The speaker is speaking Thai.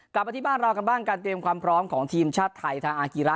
กลับมาที่บ้านเรากันบ้างการเตรียมความพร้อมของทีมชาติไทยทางอากีระ